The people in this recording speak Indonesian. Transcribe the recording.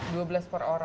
dua belas per orang